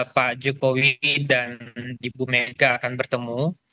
pak jokowi dan ibu mega akan bertemu